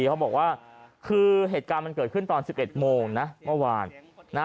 เขาบอกว่าคือเหตุการณ์มันเกิดขึ้นตอน๑๑โมงนะเมื่อวาน